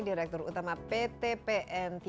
direktur utama pt pn tiga